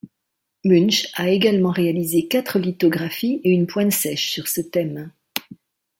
Munch a également réalisé quatre lithographies et une pointe sèche sur ce thème.